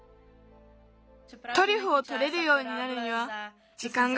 トリュフをとれるようになるにはじかんがかかる。